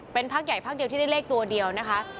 เป็นพักใหญ่พักเดียวที่ได้เลขตัวเดียวนะคะ